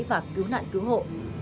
và cứu nạn cứu hộ